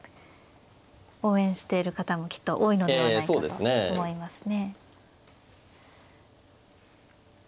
応援している方もきっと多いのではないかと思いますね。